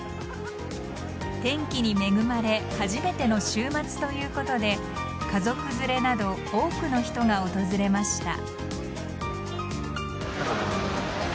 天気に恵まれ初めての週末ということで家族連れなど多くの人が訪れました。